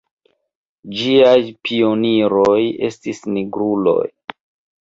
Ĝiaj pioniroj estis nigruloj.